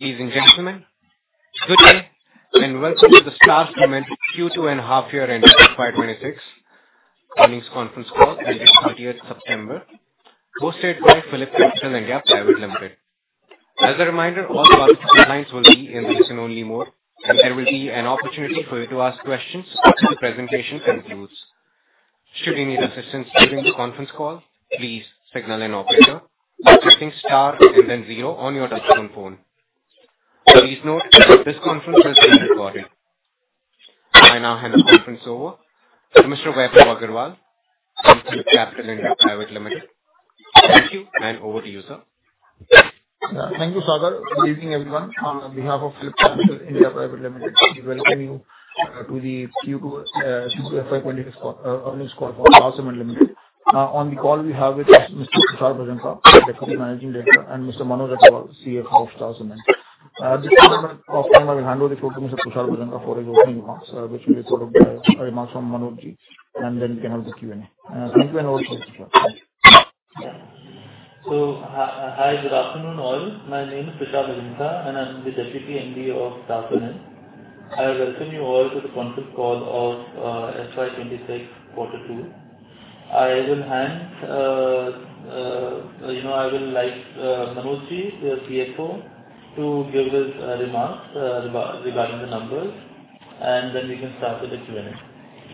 Ladies and gentlemen, good day and welcome to the Star Cement Q2 and half-year end 2026 earnings conference call ending 30th September, hosted by PhillipCapital India Private Limited. As a reminder, all participant lines will be in listen-only mode, and there will be an opportunity for you to ask questions after the presentation concludes. Should you need assistance during the conference call, please signal an operator by pressing star and then zero on your touchscreen phone. Please note that this conference will be recorded. I now hand the conference over to Mr. Vaibhav Agarwal, from PhillipCapital India Private Limited. Thank you, and over to you, sir. Thank you, Sagar. Good evening, everyone. On behalf of PhillipCapital India Private Limited, we welcome you to the Q2 and Q2 FY 26 earnings call for Star Cement Limited. On the call, we have with us Mr. Tushar Bhajanka, Deputy Managing Director, and Mr. Manoj Agarwal, CFO of Star Cement. At this moment, I will hand over the floor to Mr. Tushar Bhajanka for his opening remarks, which will be followed by remarks from Manojji, and then we can have the Q&A. Thank you, and over to Mr. Tushar. Hi, good afternoon all. My name is Tushar Bhajanka, and I'm the Deputy MD of Star Cement. I welcome you all to the conference call of FY 2026 Q2. I will hand, you know, I will like Manojji, the CFO, to give his remarks regarding the numbers, and then we can start with the Q&A.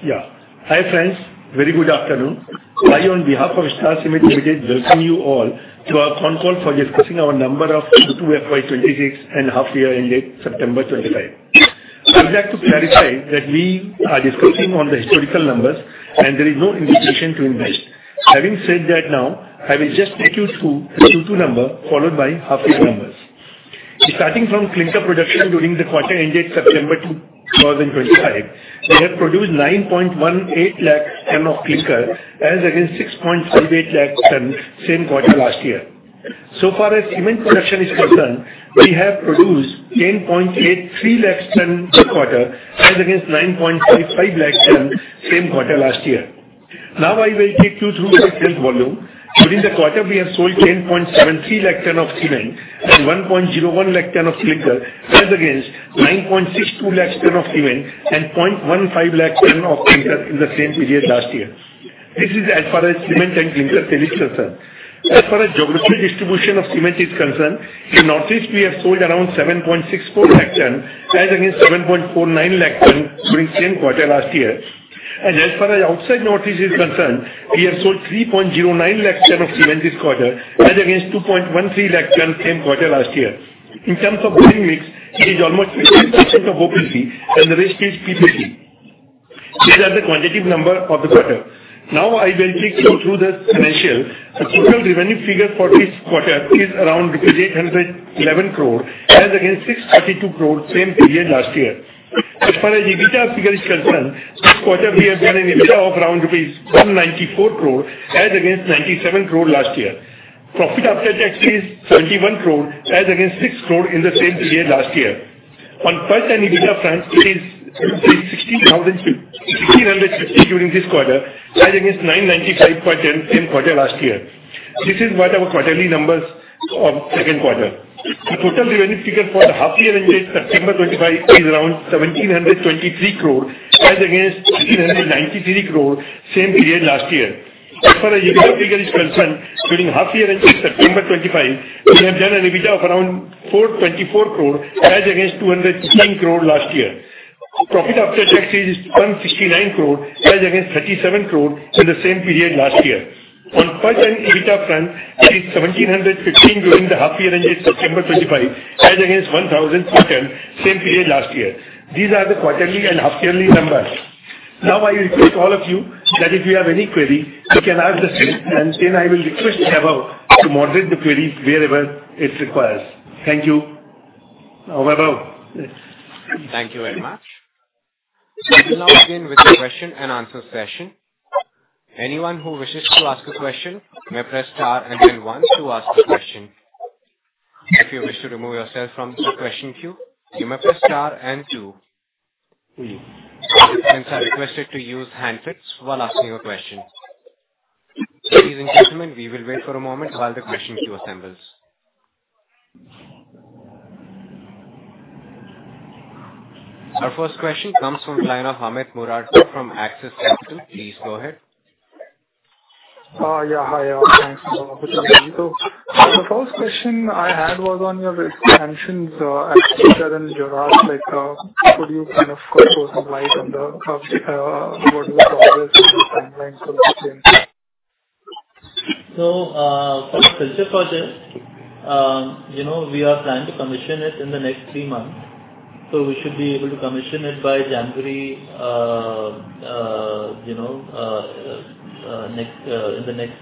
Yeah. Hi friends, very good afternoon. I, on behalf of Star Cement Limited, welcome you all to our con call for discussing our numbers for Q2 FY 2026 and half-year ended September 2025. I would like to clarify that we are discussing on the historical numbers, and there is no indication to invest. Having said that, now, I will just take you through the Q2 numbers followed by half-year numbers. Starting from Clinker production during the quarter ended September 2025, we have produced 9.18 lakh tonnes of Clinker as against 6.58 lakh tonnes same quarter last year. So far as cement production is concerned, we have produced 10.83 lakh tonnes per quarter as against 9.55 lakh tonnes same quarter last year. Now, I will take you through the sales volume. During the quarter, we have sold 10.73 lakh tonnes of cement and 1.01 lakh tonnes of Clinker as against 9.62 lakh tonnes of cement and 0.15 lakh tonnes of Clinker in the same period last year. This is as far as cement and Clinker sales concerns. As far as geographical distribution of cement is concerned, in the Northeast, we have sold around 7.64 lakh tonnes as against 7.49 lakh tonnes during the same quarter last year. And as far as outside Northeast is concerned, we have sold 3.09 lakh tonnes of cement this quarter as against 2.13 lakh tonnes same quarter last year. In terms of buying mix, it is almost 50% of OPC, and the rest is PPC. These are the quantitative numbers of the quarter. Now, I will take you through the financials. The total revenue figure for this quarter is around rupees 811 crore as against 632 crore same period last year. As far as EBITDA figure is concerned, this quarter we have done an EBITDA of around INR 194 crore as against INR 97 crore last year. Profit after tax is INR 71 crore as against INR 6 crore in the same period last year. On PAT and EBITDA front, it is INR 16,650 during this quarter as against INR 995 per ton same quarter last year. This is what our quarterly numbers of second quarter. The total revenue figure for the half-year end date September 25 is around 1,723 crore as against 1,893 crore same period last year. As far as EBITDA figure is concerned, during half-year end date September 25, we have done an EBITDA of around 424 crore as against 216 crore last year. Profit after tax is 169 crore as against 37 crore in the same period last year. On PAT and EBITDA front, it is 1,715 during the half-year end date September 25 as against 1,004 same period last year. These are the quarterly and half-yearly numbers. Now, I request all of you that if you have any query, you can ask the same, and then I will request Vaibhav to moderate the queries wherever it requires. Thank you. Vaibhav. Thank you very much. We will now begin with the question and answer session. Anyone who wishes to ask a question may press star and then one to ask a question. If you wish to remove yourself from the question queue, you may press star and two. Please pick up your handset while asking a question. Ladies and gentlemen, we will wait for a moment while the question queue assembles. Our first question comes from the line of Amit Murarka from Axis Capital. Please go ahead. Yeah, hi. Thanks for the opportunity too. The first question I had was on your expansions, Silchar and Jorhat, like, could you kind of shed some light on the projects and the timeline for the same? So for the Silchar project, you know, we are planning to commission it in the next three months. So we should be able to commission it by January, you know, in the next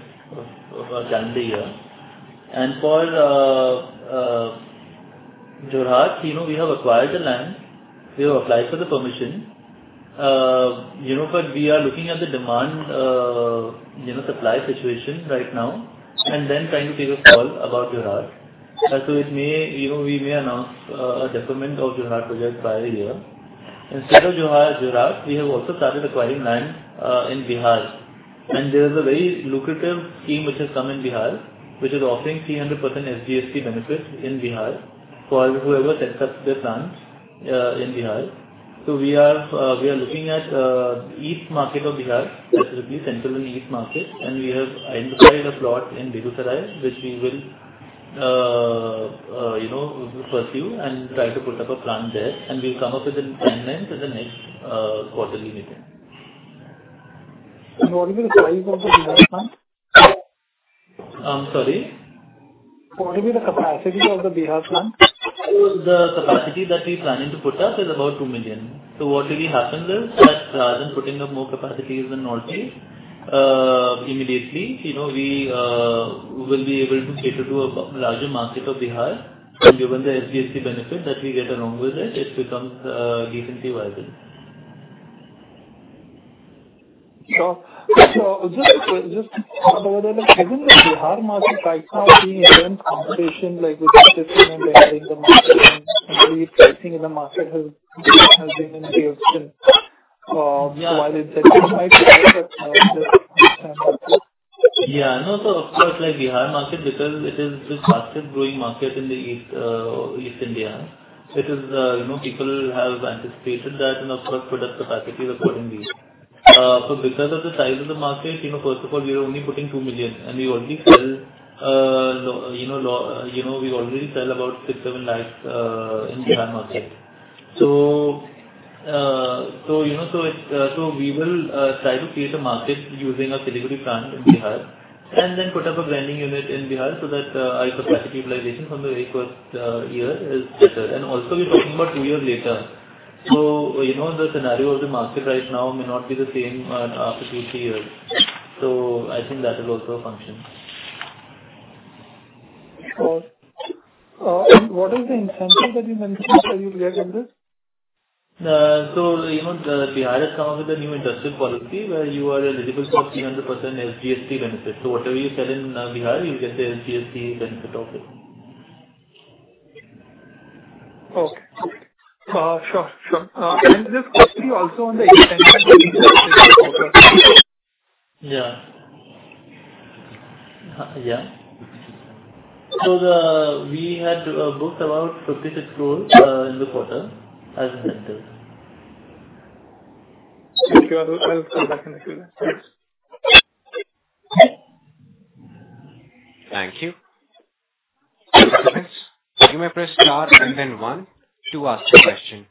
calendar year. And for Jorhat, you know, we have acquired the land. We have applied for the permission. You know, but we are looking at the demand, you know, supply situation right now, and then trying to take a call about Jorhat. So it may, you know, we may announce a deployment of Jorhat project by a year. Instead of Jorhat, we have also started acquiring land in Bihar. And there is a very lucrative scheme which has come in Bihar, which is offering 300% SGST benefit in Bihar for whoever sets up their plant in Bihar. So we are looking at the east market of Bihar, specifically Central and East Market, and we have identified a plot in Begusarai, which we will, you know, pursue and try to put up a plant there. And we'll come up with a timeline for the next quarterly meeting. What will be the size of the Bihar plant? I'm sorry? What will be the capacity of the Bihar plant? The capacity that we're planning to put up is about 2 million, so what really happens is that rather than putting up more capacity in the Northeast, immediately, you know, we will be able to cater to a larger market of Bihar, and given the SGST benefit that we get along with it, it becomes decently viable. Sure. So just a quick question. Given the Bihar market right now being in intense competition, like with participants entering the market and competitive pricing in the market has been unreal since. Why is that? I try to understand. Yeah. No, so of course, like Bihar market, because it is the fastest growing market in the East India, it is, you know, people have anticipated that and of course put up capacity accordingly. So because of the size of the market, you know, first of all, we are only putting two million, and we already sell, you know, we already sell about 6-7 lakh in Bihar market. So, you know, so we will try to create a market using a grinding plant in Bihar and then put up a grinding unit in Bihar so that our capacity utilization from the very first year is better. And also we're talking about two years later. So, you know, the scenario of the market right now may not be the same after two, three years. So I think that is also a function. Sure. And what is the incentive that you mentioned that you'll get with this? So, you know, Bihar has come up with a new industrial policy where you are eligible for 300% SGST benefit. So whatever you sell in Bihar, you'll get the SGST benefit of it. Okay. Sure, sure, and just quickly also on the incentive that you booked in the quarter. Yeah. Yeah. So we had booked about 56 crores in the quarter as mentioned. Thank you. I'll come back and look at that. Thank you. You may press star and then one to ask a question.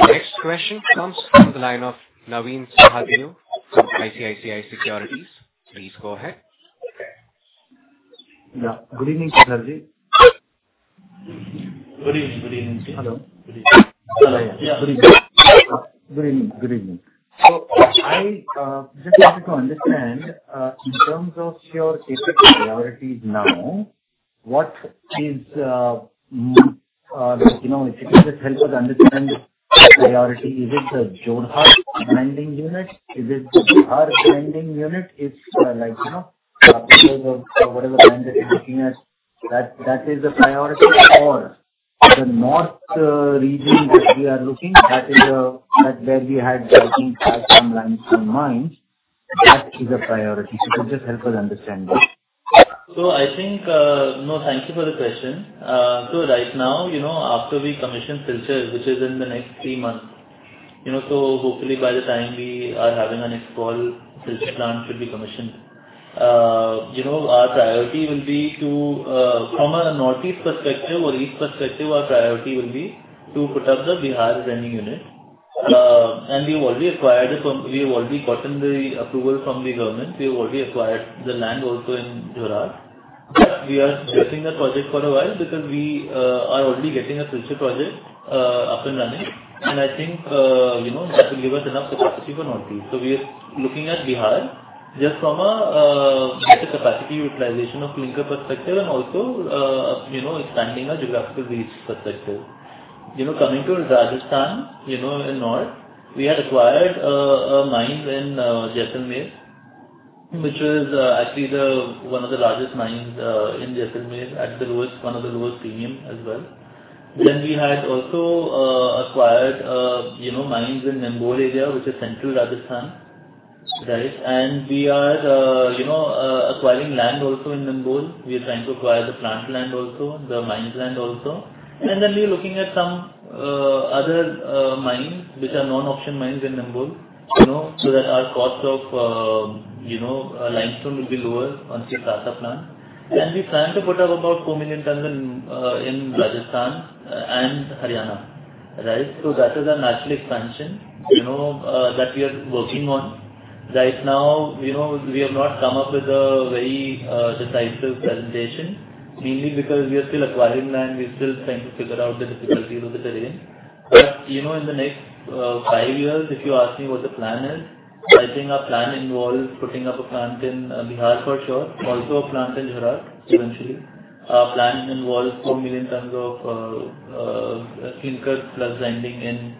Next question comes from the line of Navin Sahadeo from ICICI Securities. Please go ahead. Yeah. Good evening. Good evening. Good evening. Hello. Good evening. Hello. Yeah. Good evening. Good evening. Good evening. So I just wanted to understand, in terms of your capabilities now, what is, you know, if you can just help us understand the priority, is it the Jorhat grinding unit? Is it the Jorhat grinding unit? It's like, you know, whatever brand that you're looking at, that is a priority? Or the North region that we are looking, that is where we had, I think, had some lines in mind, that is a priority? So could you just help us understand that? So I think, no, thank you for the question. So right now, you know, after we commission Silchar, which is in the next three months, you know, so hopefully by the time we are having our next call, the Silchar plant should be commissioned. You know, our priority will be to, from a Northeast perspective or East perspective, our priority will be to put up the Bihar grinding unit. And we have already acquired the, we have already gotten the approval from the government. We have already acquired the land also in Jorhat, but we are getting the project for a while because we are already getting a Silchar project up and running. And I think, you know, that will give us enough capacity for Northeast. So we are looking at Bihar just from a better capacity utilization of Clinker perspective and also, you know, expanding our geographical reach perspective. You know, coming to Rajasthan, you know, in North, we had acquired mines in Jaisalmer, which was actually one of the largest mines in Jaisalmer at the lowest, one of the lowest premium as well. Then we had also acquired, you know, mines in Nimbol area, which is Central Rajasthan, right? And we are, you know, acquiring land also in Nimbol. We are trying to acquire the plant land also, the mines land also. And then we are looking at some other mines, which are non-operational mines in Nimbol, you know, so that our cost of, you know, limestone will be lower once we start the plant. And we plan to put up about four million tonnes in Rajasthan and Haryana, right? So that is a natural expansion, you know, that we are working on. Right now, you know, we have not come up with a very decisive presentation, mainly because we are still acquiring land. We're still trying to figure out the difficulties of the terrain. But, you know, in the next five years, if you ask me what the plan is, I think our plan involves putting up a plant in Bihar for sure, also a plant in Jorhat eventually. Our plan involves 4 million tonnes of Clinker plus blending in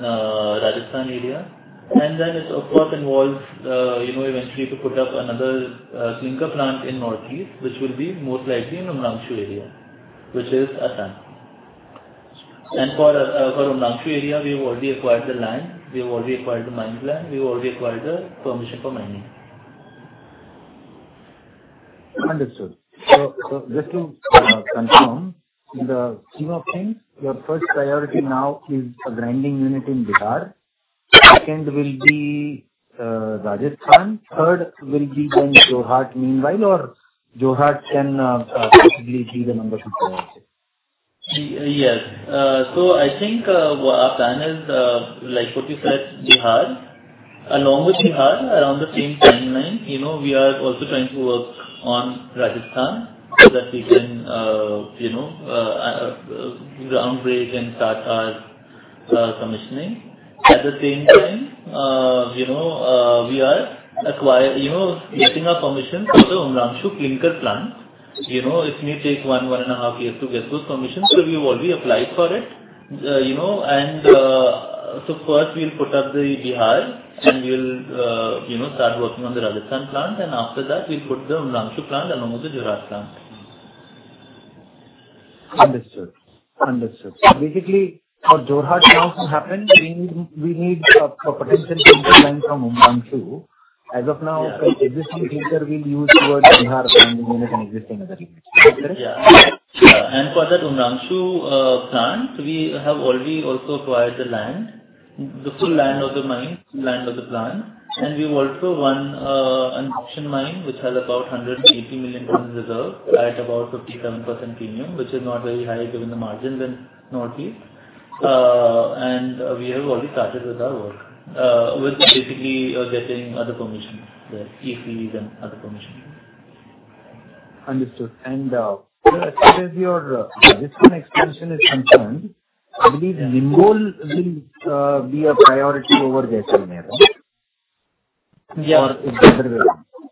Rajasthan area. And then it of course involves, you know, eventually to put up another Clinker plant in Northeast, which will be most likely in Umrangso area, which is Assam. And for Umrangso area, we have already acquired the land. We have already acquired the mines land. We have already acquired the permission for mining. Understood. So just to confirm, in the scheme of things, your first priority now is a grinding unit in Bihar. Second will be Rajasthan. Third will be then Jorhat meanwhile, or Jorhat can possibly be the number two priority. Yes. So I think our plan is, like what you said, Bihar. Along with Bihar, around the same timeline, you know, we are also trying to work on Rajasthan so that we can, you know, break ground and start our commissioning. At the same time, you know, we are acquiring, you know, getting our permission for the Umrangso Clinker plant. You know, it may take one and a half years to get those permissions. So we have already applied for it, you know. And so first we'll put up the Bihar, and we'll, you know, start working on the Rajasthan plant. And after that, we'll put the Umrangso plant along with the Jorhat plant. Understood. So basically, for Jorhat now to happen, we need a potential Clinker plant from Umrangso. As of now, existing Clinker will use towards Bihar grinding unit and existing other units. Correct? Yeah. And for that Umrangso plant, we have already also acquired the land, the full land of the mines, full land of the plant. And we've also won an auction mine, which has about 180 million tonnes reserved at about 57% premium, which is not very high given the margins in Northeast. And we have already started with our work, with basically getting other permissions, the ECs and other permissions. Understood. And as far as your Rajasthan expansion is concerned, I believe Nimbol will be a priority over Jaisalmer, right? Yeah. Or is there other way?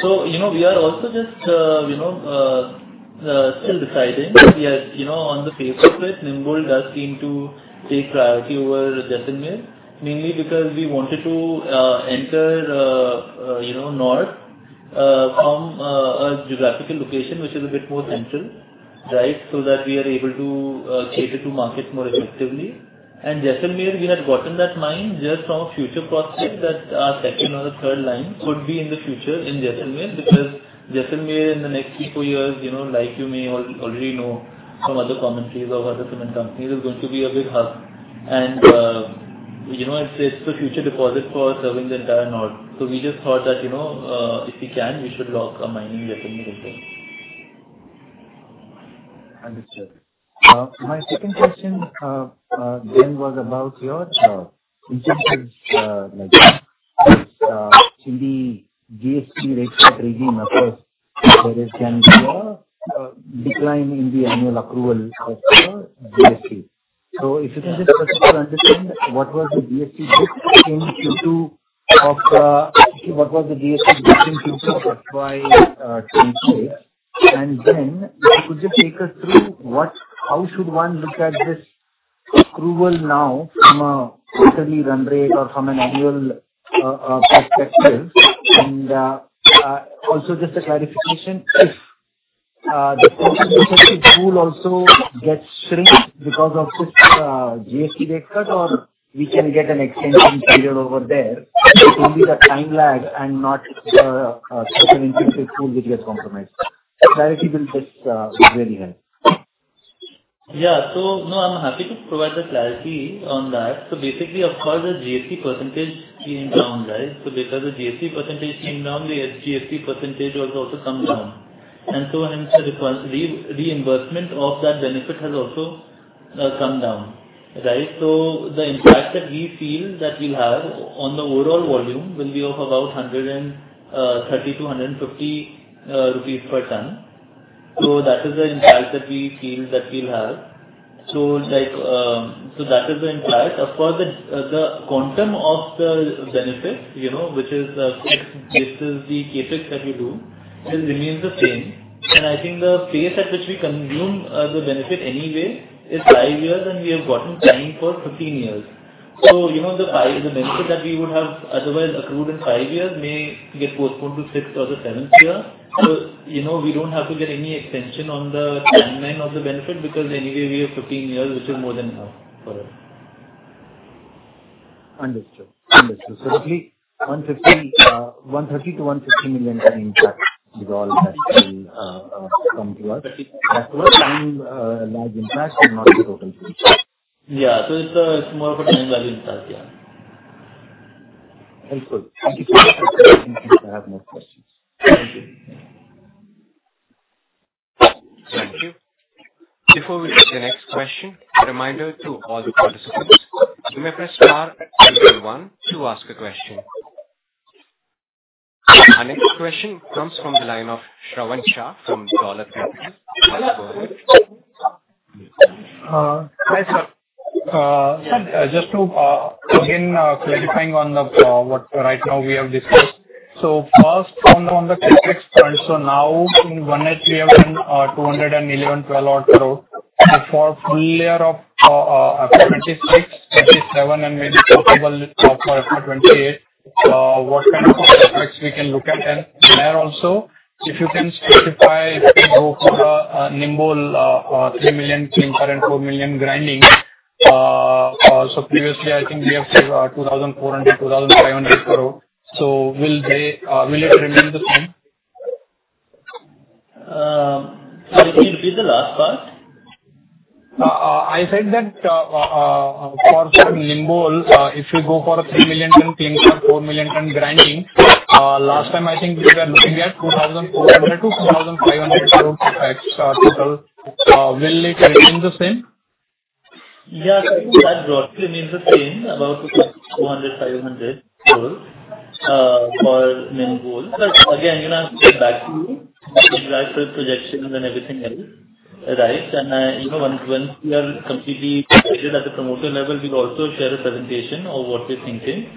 So, you know, we are also just, you know, still deciding. We are, you know, on the face of it, Nimbol does seem to take priority over Jaisalmer, mainly because we wanted to enter, you know, North from a geographical location, which is a bit more central, right, so that we are able to cater to market more effectively. And Jaisalmer, we had gotten that mine just from a future prospect that our second or third line could be in the future in Jaisalmer because Jaisalmer in the next three or four years, you know, like you may already know from other commentaries of other cement companies, is going to be a big hub. And, you know, it's the future deposit for serving the entire North. So we just thought that, you know, if we can, we should lock a mine in Jaisalmer as well. Understood. My second question then was about your job. In terms of, like, in the GST rate set regime, of course, there is, can there be a decline in the annual accrual of GST? So if you can just try to understand what was the GST drift in Q2 of FY 2026? And then if you could just take us through what, how should one look at this accrual now from a quarterly run rate or from an annual perspective? And also just a clarification, if the fuel also gets shrink because of this GST rate cut, or we can get an extension period over there, it will be the time lag and not the total incentive pool which gets compromised. Clarity will just really help. Yeah. So, no, I'm happy to provide the clarity on that. So basically, of course, the GST percentage came down, right? So because the GST percentage came down, the SGST percentage has also come down. And so hence the reimbursement of that benefit has also come down, right? So the impact that we feel that we'll have on the overall volume will be of about 130-150 rupees per tonne. So that is the impact that we feel that we'll have. So, like, so that is the impact. Of course, the quantum of the benefit, you know, which is fixed, this is the CapEx that we do, it remains the same. And I think the pace at which we consume the benefit anyway is five years and we have gotten time for 15 years. So, you know, the benefit that we would have otherwise accrued in five years may get postponed to sixth or the seventh year. So, you know, we don't have to get any extension on the timeline of the benefit because anyway we have 15 years, which is more than enough for us. Understood. Understood. So roughly 130-150 million tonnes impact is all that will come to us. That's what time lag impact and not the total impact. Yeah. So it's more of a time lag impact, yeah. Excellent. Thank you so much. I think I have more questions. Thank you. Thank you. Before we take the next question, a reminder to all the participants, you may press star and then one to ask a question. Our next question comes from the line of Shravan Shah from Dolat Capital. Please go ahead. Hi, sir. Just to again clarifying on what right now we have discussed. So first, on the CapEx front, so now in one year we have been 211-12 odd crore. So for full year of FY 2026, FY 2027, and maybe possible for FY 2028, what kind of CapEx we can look at? And there also, if you can specify, if we go for Nimbol 3 million Clinker and 4 million grinding, so previously I think we have 2,400-2,500 crore. So will it remain the same? Sorry, can you repeat the last part? I said that for Nimbol, if we go for 3 million tonnes Clinker, 4 million tonnes grinding, last time I think we were looking at 2,400 crore-2,500 crore CapEx total. Will it remain the same? Yeah, sir. That roughly remains the same, about 200-500 crore for Nimbol. But again, you know, I'll get back to you with the actual projections and everything else, right? And, you know, once we are completely decided at the promoter level, we'll also share a presentation of what we're thinking.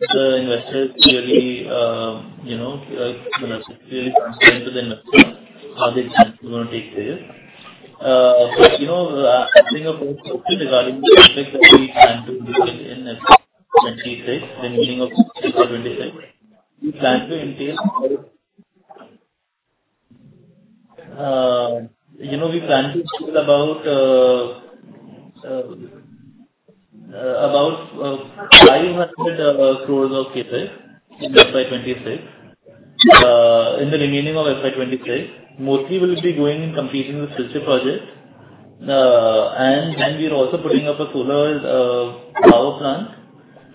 The investors really, you know, really transparent to the investor how they plan to take this. But, you know, I think of the question regarding the CapEx that we plan to look at in FY 2026, the meaning of FY 2026, we plan to entail. You know, we plan to talk about INR 500 crores of CapEx in FY 2026. In the remaining of FY 2026, mostly we'll be going and completing the Silchar project. And then we are also putting up a solar power plant,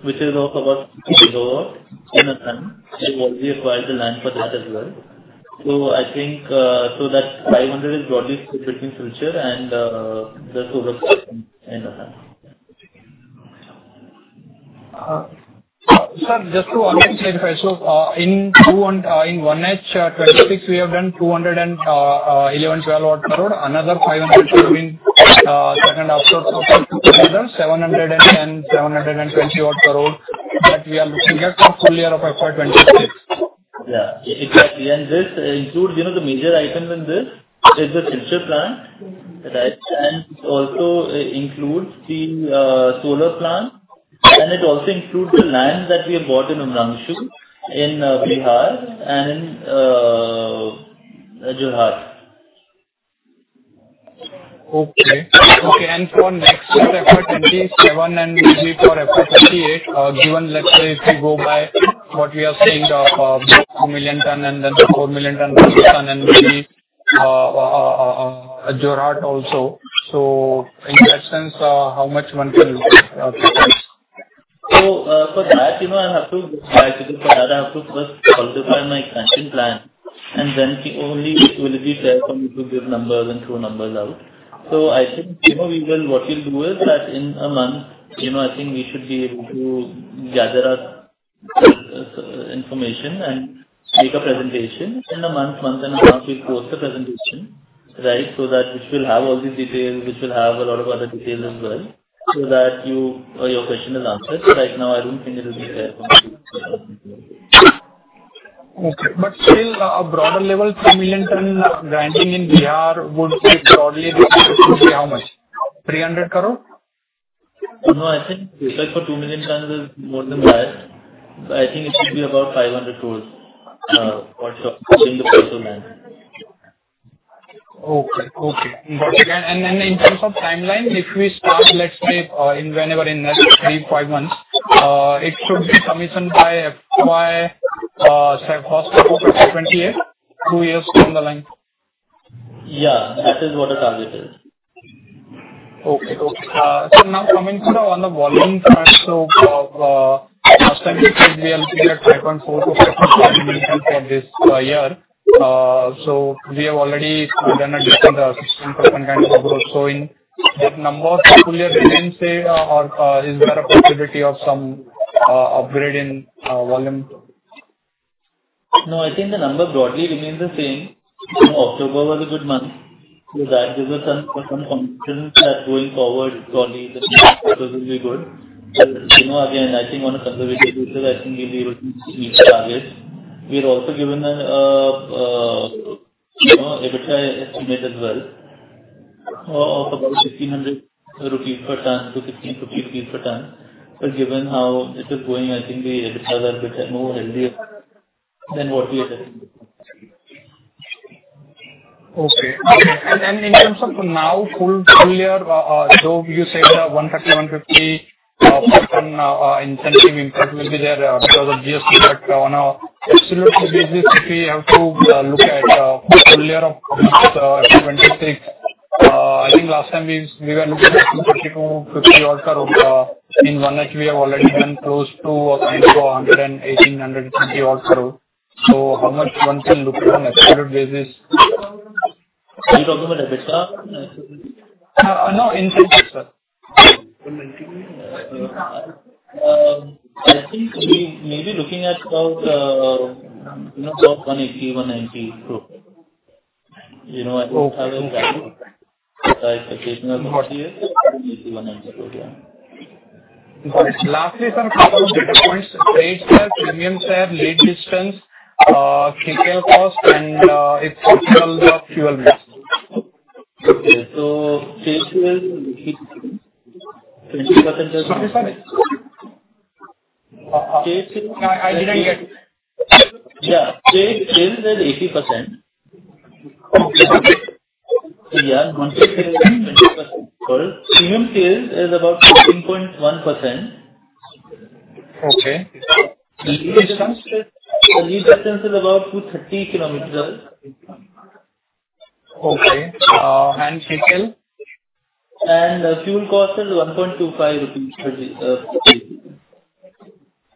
which is of about 42 MW in Assam. We've already acquired the land for that as well. So I think, so that 500 is broadly split between Silchar and the solar plant in Assam. Sir, just to also clarify, so in 1H 2026, we have done 211.12 odd crore. Another 500 crore means second half of another, 710-720 odd crore that we are looking at for full year of FY 2026. Yeah. If we can just include, you know, the major items in this, it's the Silchar plant, right? And it also includes the solar plant. And it also includes the land that we have bought in Umrangso, in Bihar, and in Jorhat. Okay. Okay. And for next year, FY 2027, and maybe for FY 2028, given, let's say, if we go by what we have seen of 2 million tonne and then 4 million tonne Rajasthan and maybe Jorhat also. So in that sense, how much one can look at? So for that, you know, I have to, like you just said, I have to first quantify my expansion plan. And then only will it be fair for me to give numbers and throw numbers out. So I think, you know, we will, what we'll do is that in a month, you know, I think we should be able to gather up information and make a presentation. In a month, month and a half, we'll post the presentation, right? So that which will have all these details, which will have a lot of other details as well. So that your question is answered. Right now, I don't think it will be fair for me to do. Okay. But still, on a broader level, 3 million tonnes grinding in Bihar would probably be how much? INR 300 crore? No, I think if it's for two million tonnes, it's more than that, so I think it would be about INR 500 crores for sure, including the personal land. Okay. Okay. And then in terms of timeline, if we start, let's say, whenever in the next three, five months, it should be commissioned by FY 2026 or FY 2028, two years down the line? Yeah. That is what the target is. Okay. Okay. So now coming to the volume side, so last time we said we are looking at 5.4-5.5 million tonnes for this year. So we have already done a decline of 16% kind of growth. So in that number, will it remain, say, or is there a possibility of some upgrade in volume? No, I think the number broadly remains the same. October was a good month. So that gives us some confidence that going forward, probably the numbers will be good. You know, again, I think on a conservative basis, I think we'll be able to meet the target. We're also given an, you know, EBITDA estimate as well of about 1,500-1,550 rupees per tonne. So given how it is going, I think the EBITDAs are a bit more healthy than what we had. Okay. And then in terms of now, full year, though you said 130-150 per tonne incentive impact will be there because of GST, but on an absolute basis, if we have to look at full year of FY 2026, I think last time we were looking at INR 130-150 odd crore. In one year, we have already done close to 118-120 odd crore. So how much one can look at on an absolute basis? You're talking about EBITDA? No, incentive, sir. I think maybe looking at about, you know, about INR 180-190 crore. You know, I think that will be like a case of INR 180-190 crore. Yeah. Lastly, sir, a couple of data points: trade share, premium share, lead distance, kcal cost, and if possible, fuel rates. Okay, so trade share is 20% as well. Sorry, sorry. I didn't get it. Yeah. Trade share is 80%. Yeah, INR 120 crore. Premium share is about 14.1%. Okay. Lead distance is about 230 km. Okay. And kcal? Fuel cost is 1.25 rupees per day.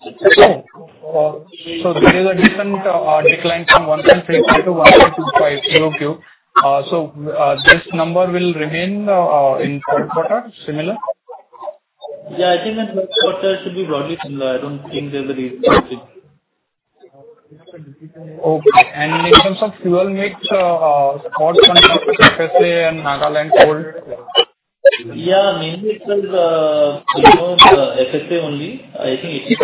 Okay. There is a decent decline from 1.35 to 1.25 QOQ. This number will remain in third quarter similar? Yeah, I think in third quarter it should be broadly similar. I don't think there's a reason to change. Okay, and in terms of fuel mix, what's the FSA and Nagaland hold? Yeah, mainly it's the FSA only. I think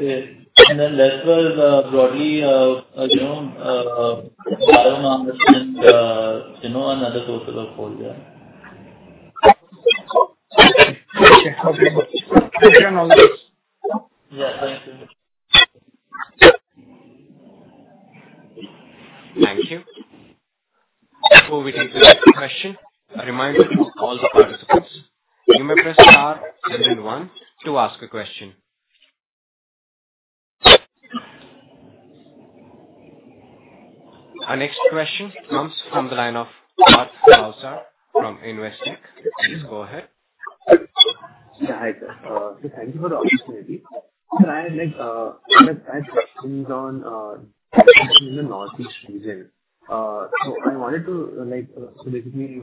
80%, and then that's where broadly, you know, I don't understand, you know, another total of all. Yeah. Okay. Okay. Thank you. Yeah. Thank you. Thank you. Before we take the next question, a reminder to all the participants, you may press star and then one to ask a question. Our next question comes from the line of Parth Bhavsar from Investec. Please go ahead. Yeah. Hi, sir. So thank you for the opportunity. So I have questions on the Northeast region. So I wanted to, like, so basically,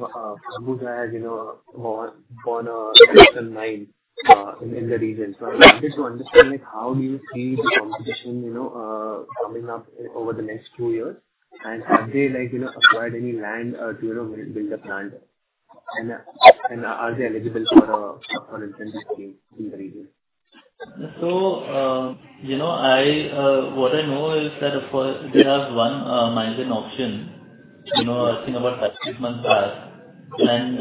Ambuja, you know, for a new one in the region. So I wanted to understand, like, how do you see the competition, you know, coming up over the next two years? And have they, like, you know, acquired any land to, you know, build a plant? And are they eligible for an incentive scheme in the region? So, you know, what I know is that they have one mine auction, you know, I think about five to six months back. And,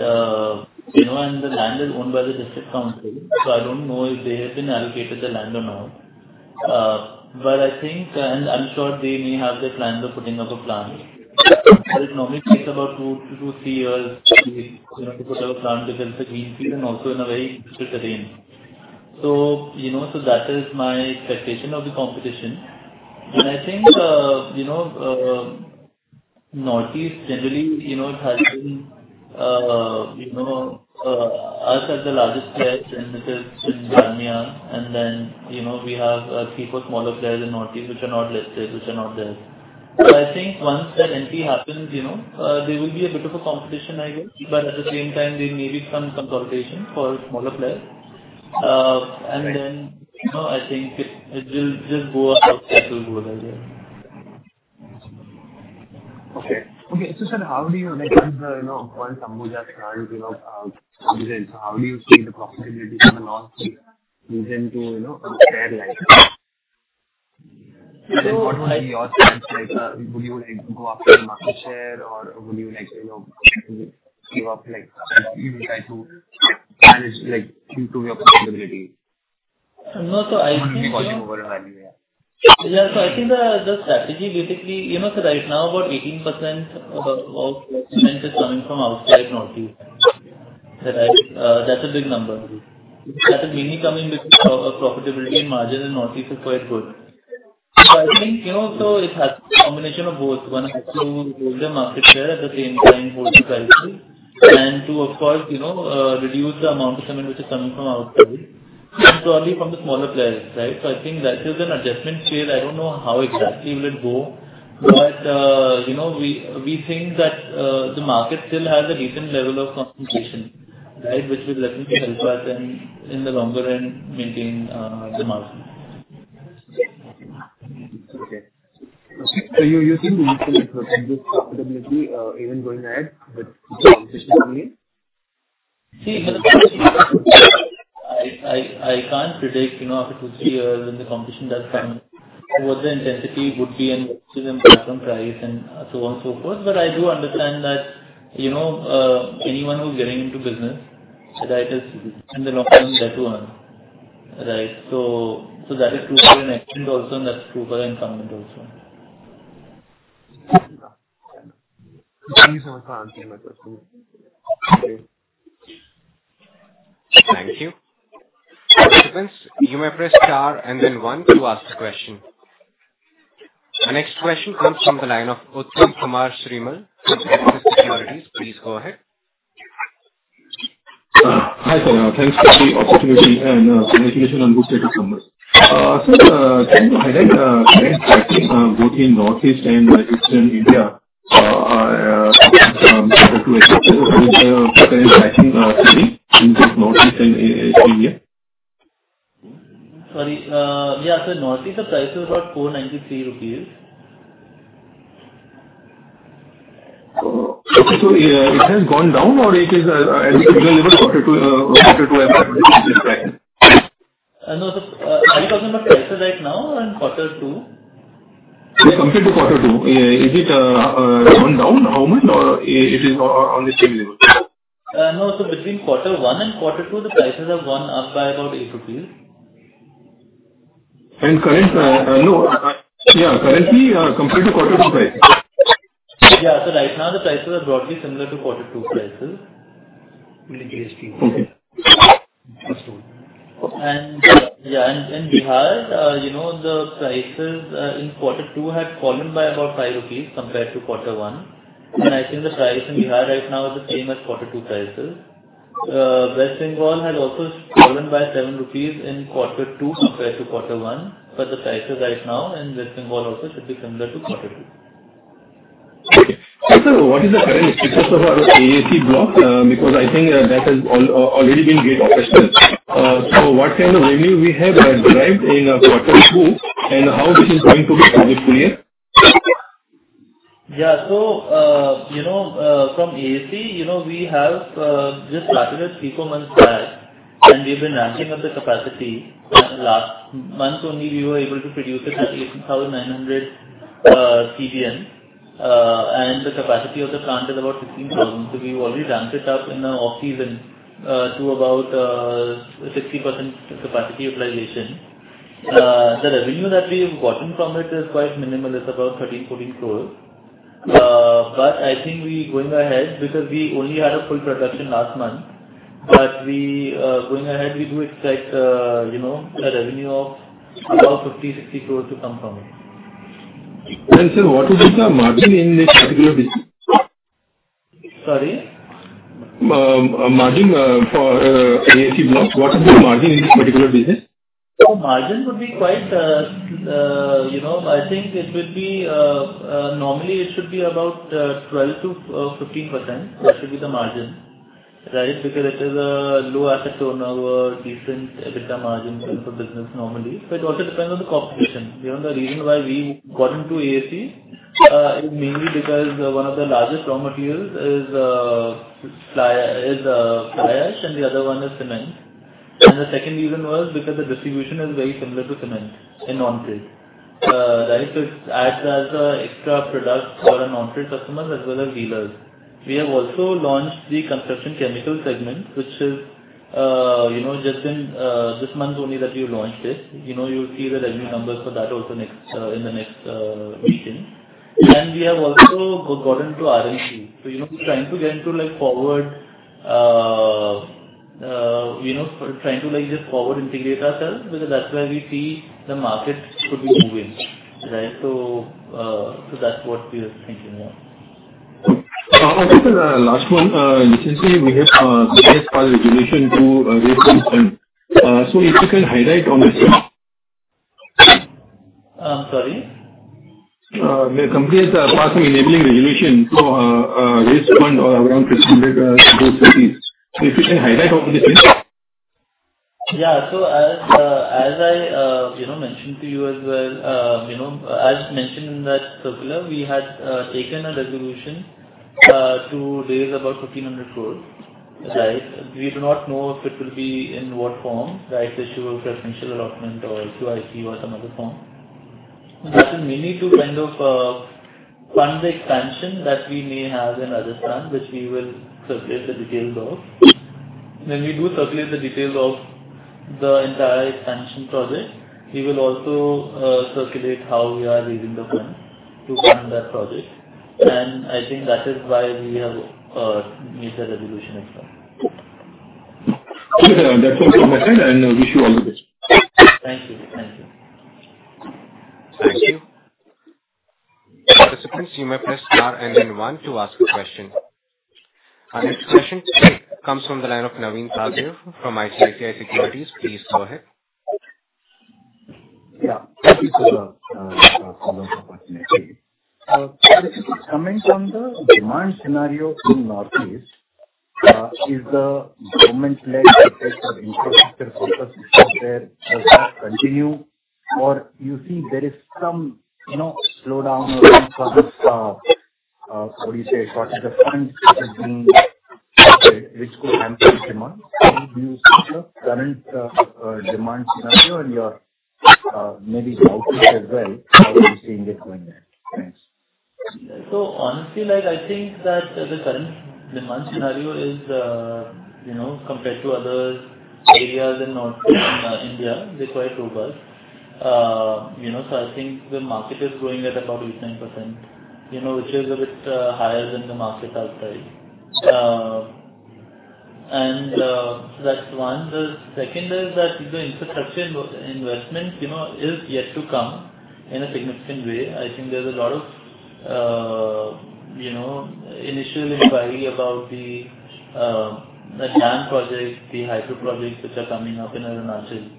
you know, and the land is owned by the district council. So I don't know if they have been allocated the land or not. But I think, and I'm sure they may have their plan of putting up a plant. But it normally takes about two to three years, you know, to put up a plant because it's a greenfield and also in a very critical terrain. So, you know, so that is my expectation of the competition. And I think, you know, Northeast generally, you know, it has been, you know, us as the largest player, then Dalmia, and then, you know, we have three or four smaller players in Northeast which are not listed, which are not there. So I think once that entry happens, you know, there will be a bit of a competition, I guess. But at the same time, there may be some consolidation for smaller players. And then, you know, I think it will just go as it will go there. Okay. Okay. So sir, how do you, like, in the, you know, Ambuja scenario, you know, region, so how do you see the possibility for the Northeast region to, you know, share like? So what would be your stance? Like, would you, like, go after the market share or would you, like, you know, give up, like, try to manage, like, improve your possibilities? No, so I think. Our EBITDA value, yeah. Yeah. So I think the strategy basically, you know, so right now about 18% of incentives coming from outside Northeast. That's a big number. That is mainly coming because of profitability and margin in Northeast is quite good. So I think, you know, so it has to be a combination of both. One has to hold their market share at the same time, hold the prices, and to, of course, you know, reduce the amount of incentives which is coming from outside. And probably from the smaller players, right? So I think that is an adjustment phase. I don't know how exactly will it go. But, you know, we think that the market still has a decent level of concentration, right, which will definitely help us in the longer run maintain the margin. Okay. So you think the incentives will increase profitability even going ahead, but the competition remains? See, for the past year, I can't predict, you know, after two or three years when the competition does come, what the intensity would be and what's the background price and so on and so forth. But I do understand that, you know, anyone who's getting into business, right, is in the long run better on, right? So that is true for incentives also and that's true for the incumbents also. Thank you so much for answering my question. Thank you. Thank you. Participants, you may press star and then one to ask a question. Our next question comes from the line of Uttam Kumar Srimal from Axis Securities. Please go ahead. Hi Sir, thanks for the opportunity and communication on good stats numbers. Sir, can you highlight current tracking both in Northeast and Eastern India? I have two questions on current tracking in both Northeast and Eastern India. Sorry. Yeah, so Northeast, the price was about 493 rupees. Okay, so it has gone down or it is at the current level of Q2 and Q3? No, so are you talking about prices right now or in Q2? Compared to Q2, is it gone down how much or it is on the same level? No, so between Q1 and Q2, the prices have gone up by about 8 rupees. Currently compared to Q2 price? Yeah. Right now, the prices are broadly similar to Q2 prices in the GST. Okay. Yeah, in Bihar, you know, the prices in Q2 had fallen by about 5 rupees compared to Q1. I think the price in Bihar right now is the same as Q2 prices. West Bengal has also fallen by 7 rupees in Q2 compared to Q1, but the prices right now in West Bengal also should be similar to Q2. Okay. So sir, what is the current status of our AAC block? Because I think that has already got operational. So what kind of revenue we have derived in Q2 and how this is going to be targeted for the year? Yeah. So, you know, from AAC, you know, we have just started it three or four months back, and we've been ramping up the capacity. Last month only, we were able to produce at least 1,900 CBM. And the capacity of the plant is about 16,000. So we've already ramped it up in the off-season to about 60% capacity utilization. The revenue that we have gotten from it is quite minimal. It's about 13-14 crore. But I think we're going ahead because we only had a full production last month. But going ahead, we do expect, you know, a revenue of about 50-60 crore to come from it. Sir, what would be the margin in this particular business? Sorry? Margin for AAC Block, what is the margin in this particular business? So margin would be quite, you know, I think it would be normally it should be about 12%-15%. That should be the margin, right? Because it is a low asset turnover decent EBITDA margin for business normally. But it also depends on the competition. You know, the reason why we got into AAC is mainly because one of the largest raw materials is fly ash and the other one is cement. And the second reason was because the distribution is very similar to cement in Northeast, right? So it adds as an extra product for our Northeast customers as well as dealers. We have also launched the construction chemical segment, which is, you know, just in this month only that we launched it. You know, you'll see the revenue numbers for that also in the next weekend. And we have also gotten into R&D. So, you know, we're trying to get into, like, forward, you know, trying to, like, just forward integrate ourselves. Because that's where we see the market could be moving, right? So that's what we are thinking of. Sir, last one. Recently, we have a company that's filed a resolution to raise funds. So if you can highlight on the. I'm sorry? The company has filed some enabling resolution to raise funds around 1,600 crore, so if you can highlight on the screen. Yeah. So as I mentioned to you as well, you know, as mentioned in that circular, we had taken a resolution to raise about 1,500 crore, right? We do not know if it will be in what form, right? So if it will be preferential allotment or QIP or some other form. That is mainly to kind of fund the expansion that we may have in Rajasthan, which we will circulate the details of. When we do circulate the details of the entire expansion project, we will also circulate how we are raising the funds to fund that project. And I think that is why we have made the resolution itself. That's all from my side, and wish you all the best. Thank you. Thank you. Thank you. Participants, you may press star and then one to ask a question. Our next question comes from the line of Navin Sahadeo from ICICI Securities. Please go ahead. Yeah. Thank you for the opportunity. So coming from the demand scenario in Northeast, is the government-led infrastructure focus there going to continue? Or you see there is some, you know, slowdown or some sort of, what do you say, shortage of funds which is being shifted, which could amp up demand? Can you speak to the current demand scenario and your maybe outlook as well? How are you seeing it going there? Thanks. So honestly, like, I think that the current demand scenario is, you know, compared to other areas in India, they're quite robust. You know, so I think the market is growing at about 8-9%, you know, which is a bit higher than the market outside. And so that's one. The second is that the infrastructure investment, you know, is yet to come in a significant way. I think there's a lot of, you know, initial inquiry about the land project, the hydro projects which are coming up in Arunachal.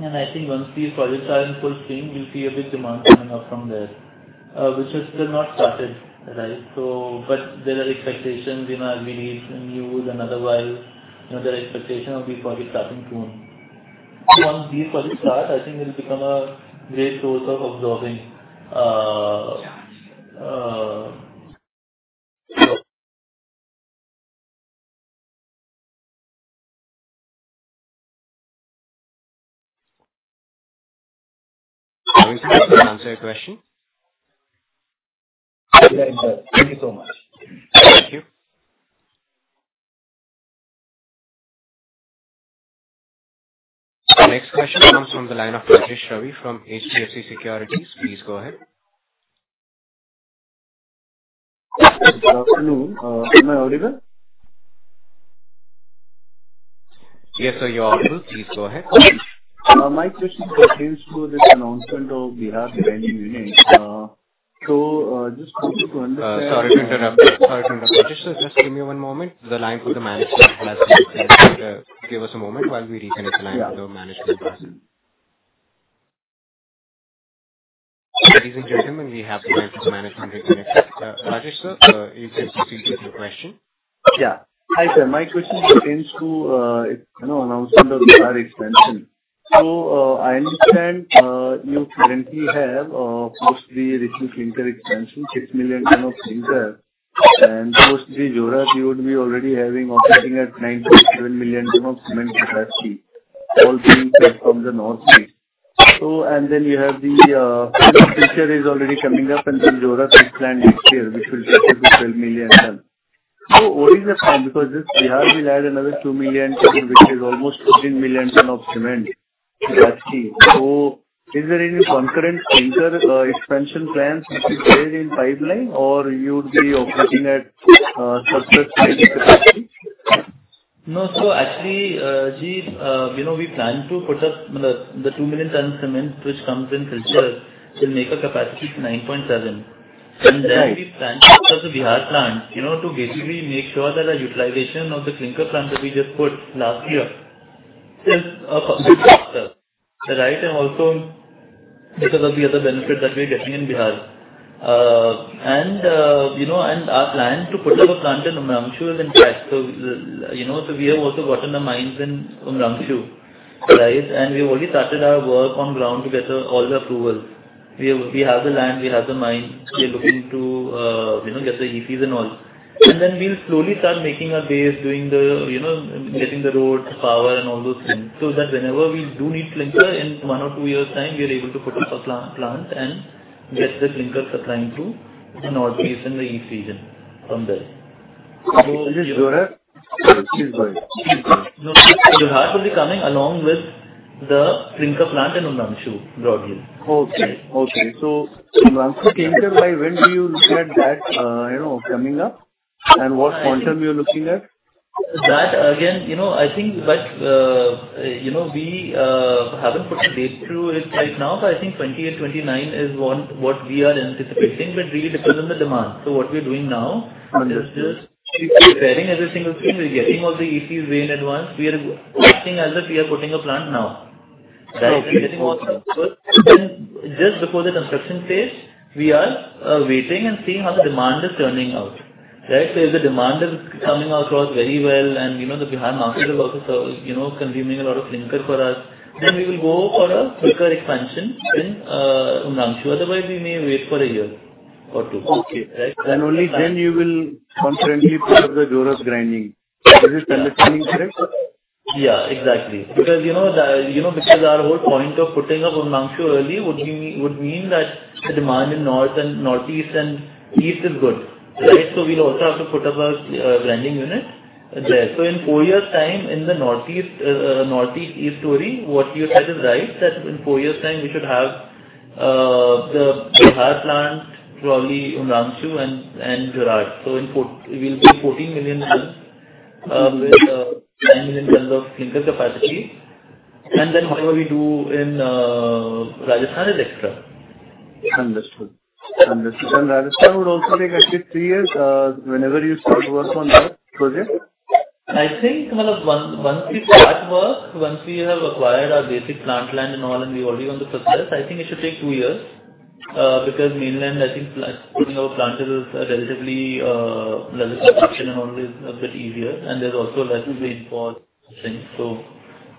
And I think once these projects are in full swing, we'll see a big demand coming up from there, which has still not started, right? So, but there are expectations, you know, as we read news and otherwise, you know, there are expectations of these projects starting soon. So once these projects start, I think it'll become a great source of absorbing. Having someone to answer your question? Yeah, exactly. Thank you so much. Thank you. Our next question comes from the line of Rajesh Ravi from HDFC Securities. Please go ahead. Good afternoon. Am I audible? Yes, sir, you're audible. Please go ahead. My question pertains to this announcement of Bihar grinding unit. So just wanted to understand. Sorry to interrupt. Rajesh, just give me one moment. The line for the management person. Give us a moment while we reconnect the line with the management person. Ladies and gentlemen, we have the management reconnected. Rajesh sir, you can proceed with your question. Yeah. Hi sir. My question pertains to, you know, announcement of Bihar expansion. So I understand you currently have a post-3.0 Clinker expansion, 6 million tons of Clinker. And post-Jorhat, you would be already having operating at 9.7 million tons of cement capacity, all being placed from the Northeast. So, and then you have the Silchar is already coming up and the Jorhat fixed land next year, which will be 12 million tons. So what is the plan? Because this Bihar will add another 2 million ton, which is almost 15 million tons of cement capacity. So is there any concurrent Clinker expansion plans which are already in pipeline or you would be operating at surplus Clinker capacity? No, so actually, you know, we plan to put up the 2 million tons cement which comes in future will make a capacity to 9.7. And then we plan to put up the Bihar plant, you know, to basically make sure that our utilization of the Clinker plant that we just put last year is a positive factor, right? And also because of the other benefits that we are getting in Bihar. And, you know, and our plan to put up a plant in Umrangso is intact. So, you know, so we have also gotten the mines in Umrangso, right? And we've already started our work on ground to get all the approvals. We have the land, we have the mine, we're looking to, you know, get the ECs and all. And then we'll slowly start making our base, doing the, you know, getting the road, the power, and all those things. So that whenever we do need Clinker in one or two years' time, we are able to put up a plant and get the Clinker supplying through in Northeast and the East region from there. So this, sir? Sorry, please go ahead. No, Bihar will be coming along with the Clinker plant in Umrangso broadly. Okay. So Umrangso Clinker, by when do you look at that, you know, coming up? And what quantum are you looking at? That again, you know, I think, but, you know, we haven't put a date to it right now, but I think 2028-2029 is what we are anticipating. But it really depends on the demand. So what we are doing now is just preparing every single thing. We're getting all the ECs way in advance. We are acting as if we are putting a plant now, right? And getting all the approvals. And just before the construction phase, we are waiting and seeing how the demand is turning out, right? So if the demand is coming across very well and, you know, the Bihar market is also surging, you know, consuming a lot of Clinker for us, then we will go for a quicker expansion in Umrangso. Otherwise, we may wait for a year or two, right? Only then you will concurrently put up the Jorhat grinding. Is this understanding correct? Yeah, exactly. Because, you know, because our whole point of putting up Umrangso early would mean that the demand in North and Northeast and East is good, right? So we'll also have to put up a grinding unit there. So in four years' time in the Northeast, East, Silchar, what you said is right, that in four years' time we should have the Bihar plant, probably Umrangso and Jorhat. So we'll be 14 million tons with nine million tons of Clinker capacity. And then whatever we do in Rajasthan is extra. Understood. Understood. And Rajasthan would also take at least three years whenever you start work on that project? I think once we start work, once we have acquired our basic plant land and all, and we're already on the surplus, I think it should take two years. Because mainland, I think putting up a plant is a relatively quick and always a bit easier. And there's also less rainfall and things. So,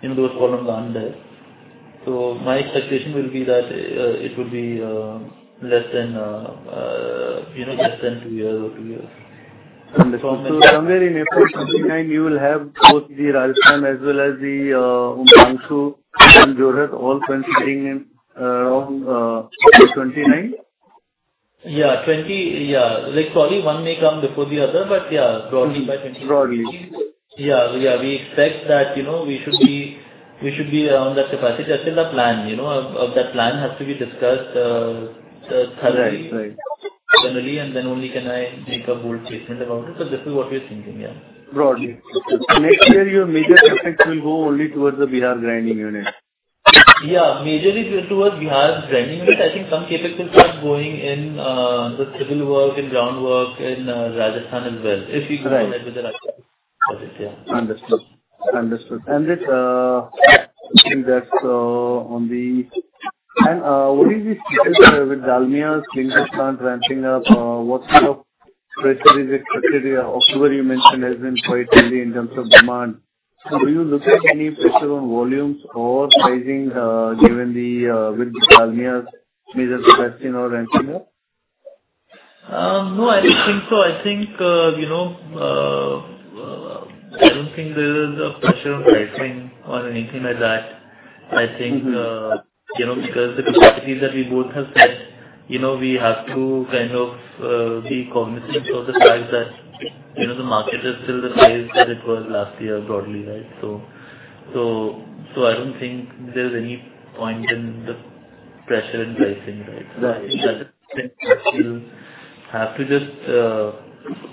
you know, those problems aren't there. So my expectation will be that it would be less than, you know, less than two years or two years. Understood. So somewhere in April 2029, you will have both the Rajasthan as well as the Umrangso and Jorhat, all considering around 29? Yeah. 2020, yeah. Like, probably one may come before the other, but yeah, broadly by 2029. Broadly. Yeah. Yeah. We expect that, you know, we should be around that capacity. That's in the plan, you know, of that plan has to be discussed thoroughly. Right. Right. Generally, and then only can I make a bold statement about it. But this is what we're thinking, yeah. Broadly. So next year, your major CapEx will go only towards the Bihar grinding unit? Yeah. Majorly towards Bihar grinding unit. I think some CapEx will start going in the civil work and groundwork in Rajasthan as well. If we go ahead with the Rajasthan project, yeah. Understood. And what is the status with Dalmia's Clinker plant ramping up? What sort of pressure is expected? October you mentioned has been quite heavy in terms of demand. So do you look at any pressure on volumes or pricing given Dalmia's major capacity now ramping up? No, I don't think so. I think, you know, I don't think there is a pressure on pricing or anything like that. I think, you know, because the capacity that we both have set, you know, we have to kind of be cognizant of the fact that, you know, the market is still the size that it was last year broadly, right? So I don't think there's any point in the pressure in pricing, right? So I think that is something that we'll have to just,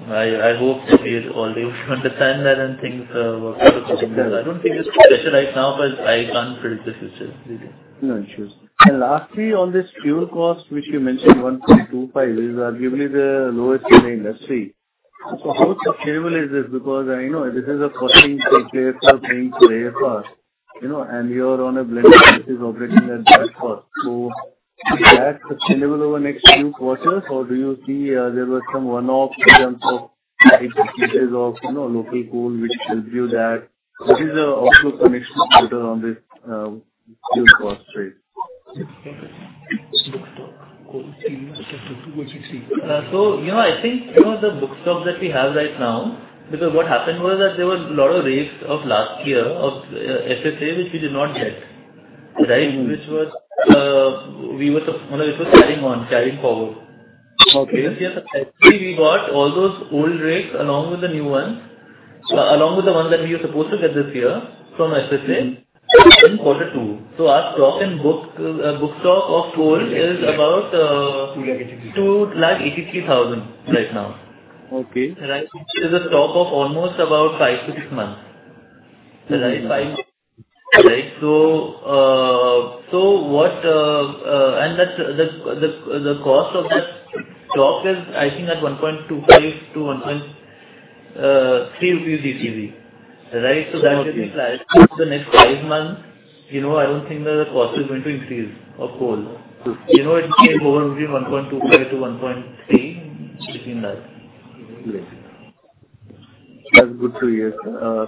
I hope everybody understands that and things work out accordingly. I don't think it's stabilized now, but I can't predict the future. No issues, and lastly, on this fuel cost, which you mentioned, 1.25, is arguably the lowest in the industry. So how sustainable is this? Because I know this is a costing takeaway for paying today's cost, you know, and you're on a blended which is operating at that cost. So is that sustainable over the next few quarters? Or do you see there was some one-off in terms of 80 pieces of, you know, local coal which gives you that? What is the outlook on next few quarters on this fuel cost base? Book stock. Coal. So you know, I think, you know, the book stock that we have right now, because what happened was that there were a lot of rakes of last year's SSA, which we did not get, right? Which was, we were supposed to, you know, it was carrying on, carrying forward. Okay. This year, actually, we got all those old rakes along with the new ones, along with the ones that we were supposed to get this year from SSA in quarter two. So our stock and bookstock of coal is about 283,000 right now. Okay. Right? It's a stock of almost about five to six months, right? Okay. Right? So what, and the cost of that stock is, I think, at 1.25-1.3 GCV, right? Gotcha. So that would be flat. The next five months, you know, I don't think the cost is going to increase of coal. You know, it came over between 1.25-1.3. Great. That's good to hear.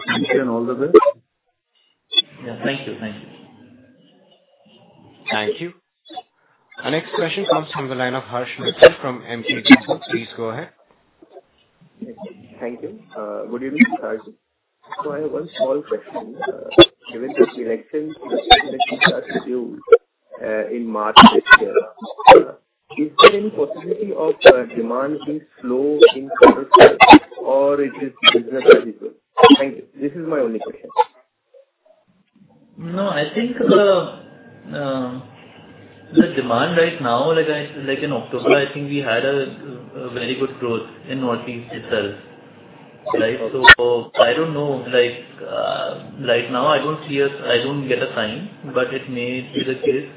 Thank you and all the best. Yeah. Thank you. Thank you. Thank you. Our next question comes from the line of Harsh Mittal from Emkay Global. Please go ahead. Thank you. Good evening, Harsh. So I have one small question. Given that the election starts due in March next year, is there any possibility of demand being slow in quarter four, or is this business as usual? Thank you. This is my only question. No, I think the demand right now, like in October, I think we had a very good growth in Northeast itself, right? So I don't know, like right now, I don't see a sign, but it may be the case,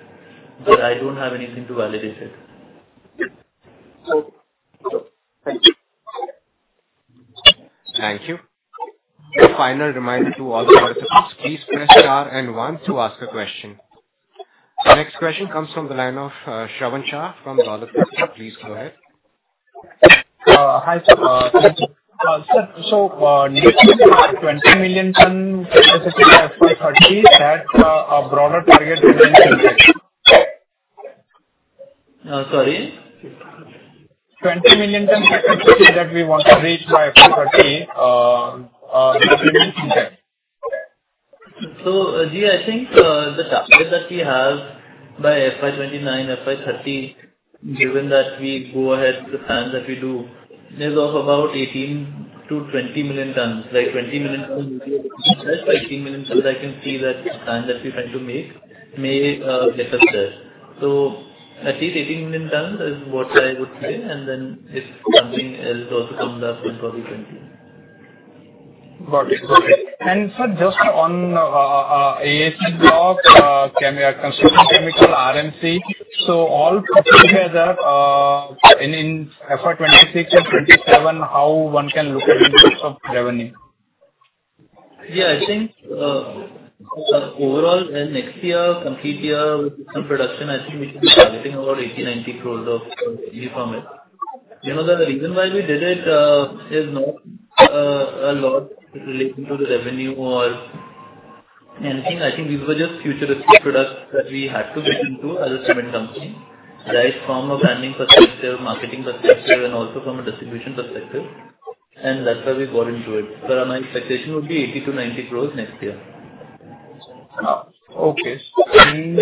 but I don't have anything to validate it. Okay. Thank you. Thank you. Final reminder to all participants, please press star and one to ask a question. Next question comes from the line of Shravan Shah from Dolat Capital. Please go ahead. Hi sir. Thank you. Sir, so next year, 20 million tons FSA by FY 2030, that's a broader target than we can get. Sorry? 20 million tons FSA that we want to reach by FY 2030, how do you think that? So, yeah, I think the target that we have by FY 2029, FY 2030, given that we go ahead with the plan that we do, is of about 18-20 million tons. Like, 20 million tons is the target. By 18 million tons, I can see that the plan that we try to make may get us there. So at least 18 million tons is what I would say. And then if something else also comes up, then probably 20. Got it. Got it. And sir, just on AAC block, construction chemical RMC, so all put together, and in FY 2026 and FY 2027, how one can look at in terms of revenue? Yeah. I think overall, in next year, complete year with some production, I think we should be targeting about 80-90 crore of revenue from it. You know, the reason why we did it is not a lot relating to the revenue or anything. I think these were just futuristic products that we had to get into as a cement company, right? From a branding perspective, marketing perspective, and also from a distribution perspective. And that's why we bought into it. So my expectation would be 80-90 crores next year. Okay. And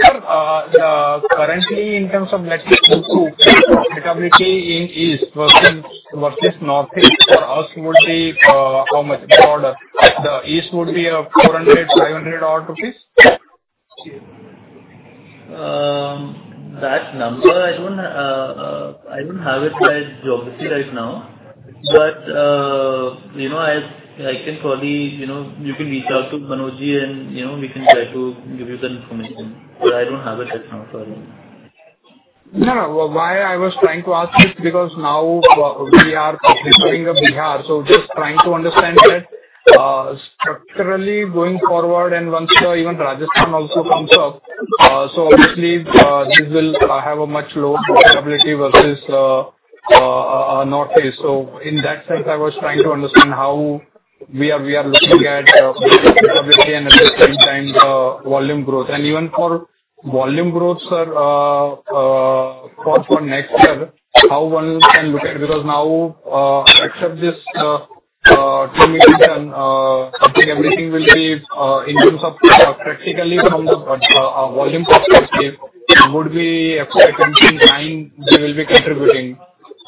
sir, currently, in terms of Q2, the profitability in East versus Northeast, for us, it would be how much broader? The East would be 400-500 odd rupees? That number, I don't have it as job listing right now. But, you know, I can probably, you know, you can reach out to Manojji, and, you know, we can try to give you the information. But I don't have it right now, sorry. No, no. Why I was trying to ask is because now we are talking of Bihar. So just trying to understand that structurally going forward, and once even Rajasthan also comes up, so obviously this will have a much lower profitability versus Northeast. So in that sense, I was trying to understand how we are looking at profitability and at the same time volume growth. And even for volume growth, sir, for next year, how one can look at it? Because now, except this 2 million ton, I think everything will be in terms of practically from the volume perspective, would be FY 2029, they will be contributing.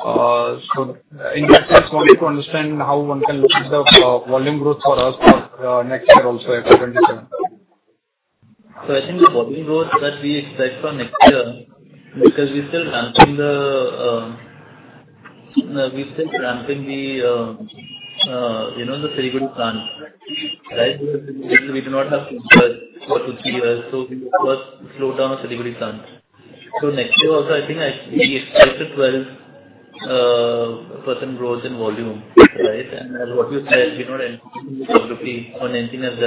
So in that sense, wanting to understand how one can look at the volume growth for us for next year also, FY 2027. So I think the volume growth that we expect for next year, because we're still ramping the, you know, the Silchar plant, right? We do not have to start for two years. So we will first slow down the Silchar plant. So next year also, I think we expect a 12% growth in volume, right? And as what you said, we're not anticipating the recovery on anything else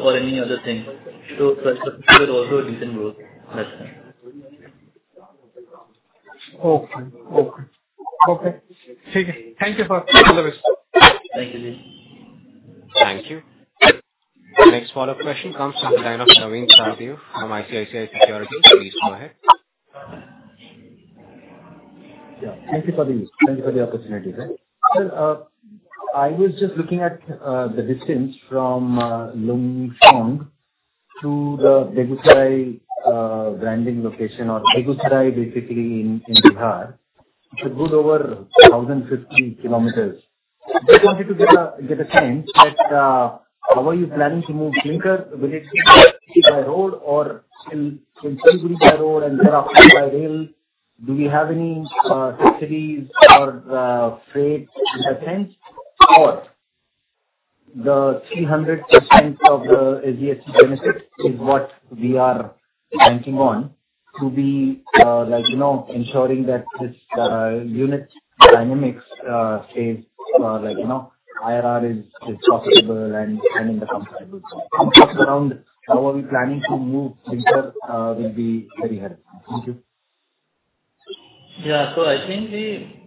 or any other thing. So for next year, also a decent growth next time. Okay. Thank you for all the rest. Thank you, Ji. Thank you. Next follow-up question comes from the line of Navin Sahadeo from ICICI Securities. Please go ahead. Yeah. Thank you for the opportunity, sir. Sir, I was just looking at the distance from Umrangso to the Begusarai grinding location, or Begusarai basically in Bihar. It's a good over 1,050 km. Just wanted to get a sense that how are you planning to move Clinker? Will it be by road or still 20% by road and thereafter by rail? Do we have any subsidies or freight in that sense? Or the 300% of the SGST benefit is what we are banking on to be, like, you know, ensuring that this unit dynamics stays, like, you know, IRR is profitable and in the comfortable zone. So around how are we planning to move Clinker will be very helpful. Thank you. Yeah. So I think we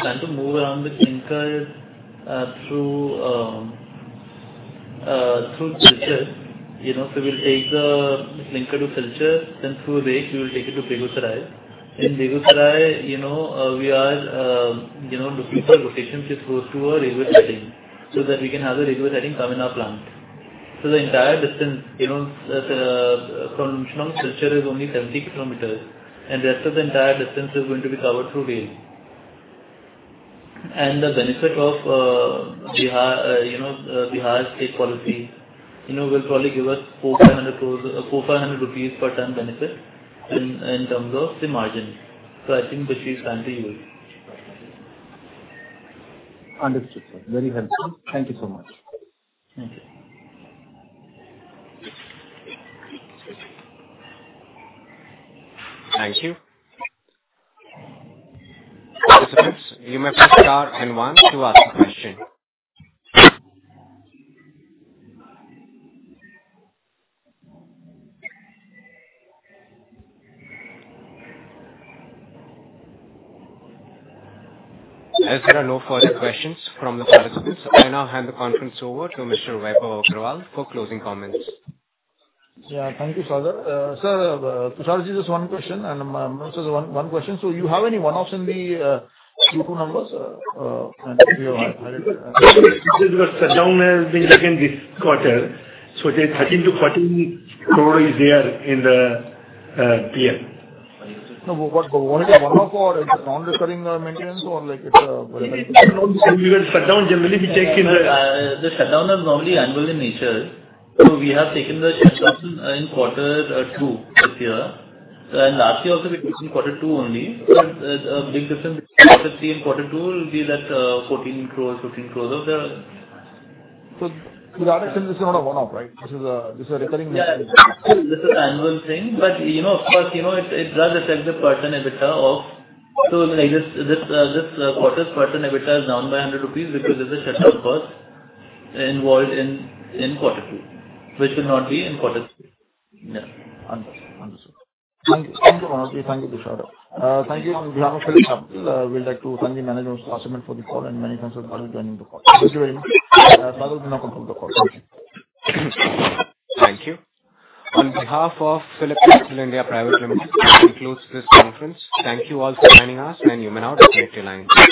plan to move around the Clinker through Silchar, you know. So we'll take the Clinker to Silchar, then through rake, we will take it to Begusarai. In Begusarai, you know, we are, you know, looking for locations to set up a grinding unit so that we can have a grinding unit in our plant. So the entire distance, you know, from Lumshnong to Silchar is only 70 km. And the rest of the entire distance is going to be covered through rail. And the benefit of Bihar, you know, Bihar state policy, you know, will probably give us 4,500 rupees per ton benefit in terms of the margin. So I think this is time to use it. Understood, sir. Very helpful. Thank you so much. Thank you. Thank you. Participants, you may press star and one to ask a question. There are no further questions from the participants. I now hand the conference over to Mr. Vaibhav Agarwal for closing comments. Yeah. Thank you, sir. Sir, Tusharji, just one question. So you have any one-offs in the Q2 numbers? And if you have. This is because shutdown has been taken this quarter. So 13-14 crore is there in the PM. What? One-off or it's a non-recurring maintenance or like it's a? We got shut down. Generally, we check in the. The shutdown is normally annual in nature. So we have taken the shutdown in quarter two this year. And last year also, we took in quarter two only. So the big difference between quarter three and quarter two will be that 14 crores, 15 crores of the. So to that extent, this is not a one-off, right? This is a recurring maintenance. Yeah. This is an annual thing. But, you know, of course, you know, it does affect the per ton EBITDA of. So this quarter's per ton EBITDA is down by 100 rupees because there's a shutdown cost involved in quarter two, which will not be in quarter three. Yeah. Understood. Thank you. Thank you, Tusharji. Thank you, Tusharji. Thank you. On behalf of PhillipCapital, we'd like to thank the management of Star Cement for the call and many thanks for joining the call. Thank you very much. Tusharji will now conclude the call. Thank you. On behalf of PhillipCapital India Private Limited, we close this conference. Thank you all for joining us, and you may now disconnect your lines.